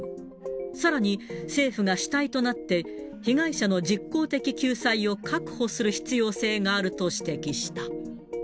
さらに、政府が主体となって、被害者の実効的救済を確保する必要性があると指摘した。